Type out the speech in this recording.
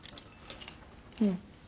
うん。